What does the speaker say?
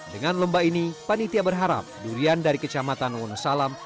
dengan lomba ini panitia berharap durian dari kecamatan wonosalam